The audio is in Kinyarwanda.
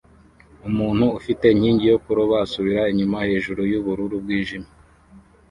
Umuntu ufite inkingi yo kuroba asubira inyuma hejuru yubururu bwijimye